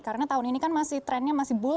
karena tahun ini kan masih trendnya masih bulat